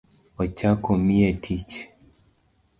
Ochako omiye tich